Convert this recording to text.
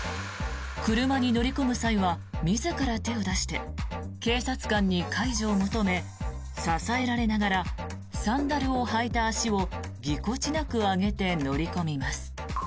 車に乗り込む際は自ら手を出して警察官に介助を求め支えられながらサンダルを履いた足をぎこちなく上げて乗り込みます。